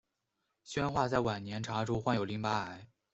宣化在晚年查出患有淋巴癌。